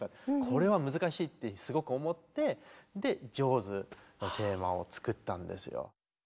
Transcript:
これは難しいってすごく思って「ジョーズ」のテーマを作ったんですよ。